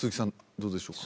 どうでしょうか？